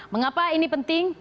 mengapa ini penting